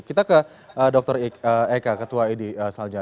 kita ke dr eka ketua id salja